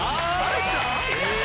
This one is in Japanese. え！